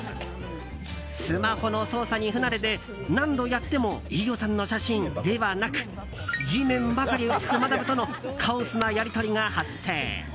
スマホの操作に不慣れで何度やっても飯尾さんの写真ではなく地面ばかり写すマダムとのカオスなやり取りが発生。